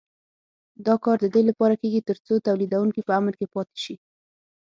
دا کار د دې لپاره کېږي تر څو تولیدوونکي په امن کې پاتې شي.